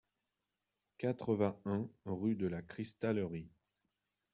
quatre-vingt-un rue de la Cristallerie